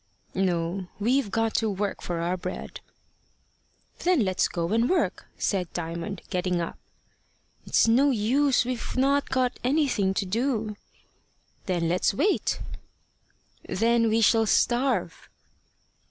"No. We've got to work for our bread." "Then let's go and work," said Diamond, getting up. "It's no use. We've not got anything to do." "Then let's wait." "Then we shall starve."